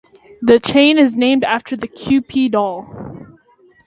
The chain is named after the Kewpie doll.